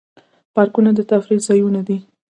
پارکونه د تفریح ځایونه دي